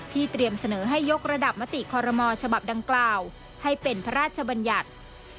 เตรียมเสนอให้ยกระดับมติคอรมอฉบับดังกล่าวให้เป็นพระราชบัญญัติ